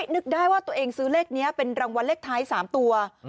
นึกได้ว่าตัวเองซื้อเลขนี้เป็นรางวัลเลขท้าย๓ตัว